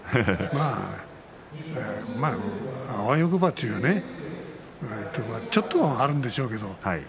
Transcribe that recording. あわよくばというちょっとはあるんでしょうけど。